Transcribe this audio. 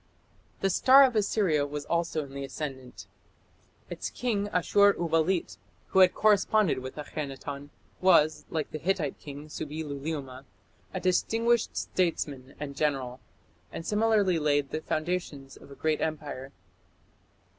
The star of Assyria was also in the ascendant. Its king, Ashur uballit, who had corresponded with Akhenaton, was, like the Hittite king, Subbi luliuma, a distinguished statesman and general, and similarly laid the foundations of a great empire.